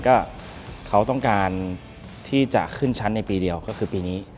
ก็เขาต้องการที่จะขึ้นชั้นในปีเดียวก็คือปีนี้